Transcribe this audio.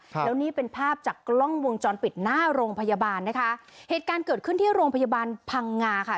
แล้วนี่เป็นภาพจากกล้องวงจรปิดหน้าโรงพยาบาลนะคะเหตุการณ์เกิดขึ้นที่โรงพยาบาลพังงาค่ะ